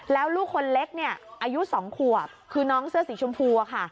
แล้วลูกคนเล็กอายุ๒ขวบคือน้องเสื้อสีชมพู